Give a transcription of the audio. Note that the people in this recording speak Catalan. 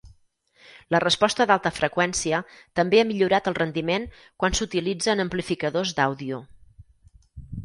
La resposta d'alta freqüència també ha millorat el rendiment quan s'utilitza en amplificadors d'àudio.